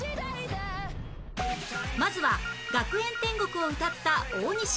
まずは『学園天国』を歌った大西